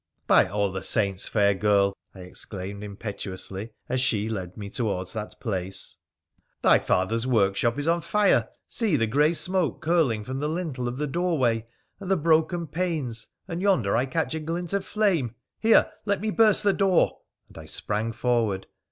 ' By all the saints, fair girl !' I exclaimed impetuously, as she led me towards that place, ' thy father's workshop is on fire ! See tbe grey smoke curling from the lintel of the door way, and the broken panes — and yonder I catch a glint of flame ! Here, let me burst the door !' and I sprang forward.